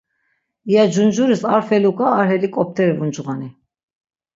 İya cuncuriz ar feluk̆a ar helik̆op̆t̆eri vuncğoni.